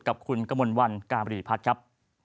กับคุณกมลวันการบรีพัฒน์ครับ